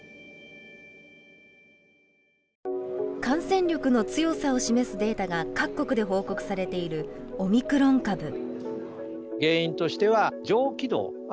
感染力の強さを示すデータが各国で報告されているオミクロン株。